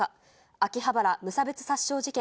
秋葉原無差別殺傷事件。